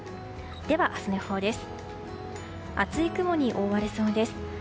では明日の予報です。